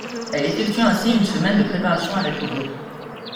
Elle effectue ainsi une semaine de préparation avec le groupe.